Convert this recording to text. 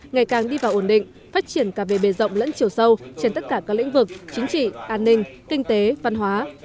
ngày càng đi vào ổn định phát triển cả về bề rộng lẫn chiều sâu trên tất cả các lĩnh vực chính trị an ninh kinh tế văn hóa